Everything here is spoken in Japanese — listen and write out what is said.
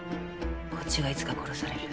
こっちがいつか殺される。